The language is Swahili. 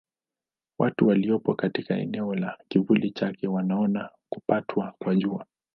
Watu waliopo katika eneo la kivuli chake wanaona kupatwa kwa Jua.